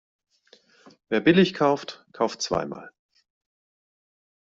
Wer billig kauft, kauft zweimal.